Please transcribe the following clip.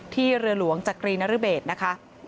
เรือหลวงจักรีนรเบศนะคะ